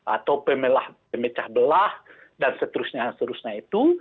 atau pemecah belah dan seterusnya seterusnya itu